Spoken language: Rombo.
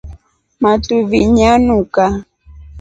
Matuvi nyanuka.